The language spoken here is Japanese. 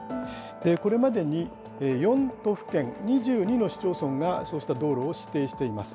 これまでに、４都府県２２の市町村がそうした道路を指定しています。